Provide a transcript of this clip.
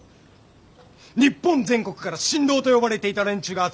日本全国から神童と呼ばれていた連中が集まってくる！